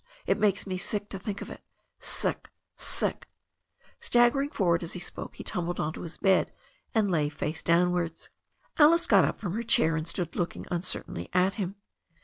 It makes me sick to think of it — sick — sick Staggering forward as he spoke, he tumbled on to his bed, and lay face downwards. Alice got up from her chair, and stood looking uncer tainly at him.